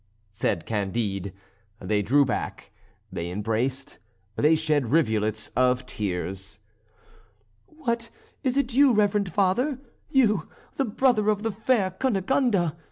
said Candide. They drew back; they embraced; they shed rivulets of tears. "What, is it you, reverend Father? You, the brother of the fair Cunegonde!